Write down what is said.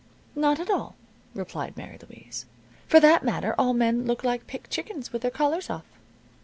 "Not at all," replied Mary Louise. "For that matter, all men look like picked chickens with their collars off."